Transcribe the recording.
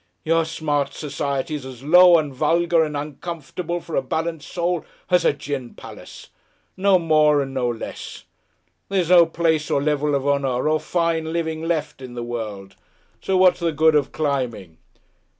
Your smart society is as low and vulgar and uncomfortable for a balanced soul as a gin palace, no more and no less; there's no place or level of honour or fine living left in the world; so what's the good of climbing?"